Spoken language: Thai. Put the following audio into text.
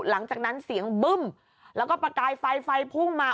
หลังจากนั้นเสียงบึ้มแล้วก็ประกายไฟไฟพุ่งมา